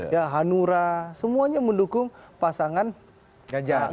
ya hanura semuanya mendukung pasangan gajah